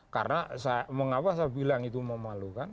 karena mengapa saya bilang itu memalukan